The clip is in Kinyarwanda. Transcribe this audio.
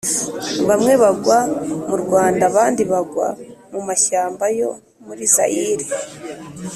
Bamwe bagwa mu Rwanda abandi bagwa mu mashyamba yo muri Zayire.